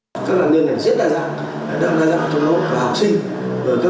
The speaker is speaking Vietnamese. các nạn nhân này rất đa dạng đa dạng trong lòng học sinh